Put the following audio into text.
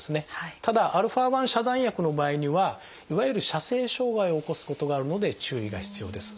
ただα遮断薬の場合にはいわゆる射精障害を起こすことがあるので注意が必要です。